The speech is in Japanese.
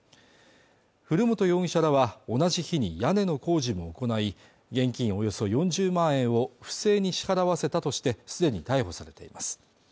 古本容疑者らは同じ日に屋根の工事も行い現金およそ４０万円を不正に支払わせたとしてすでに逮捕されています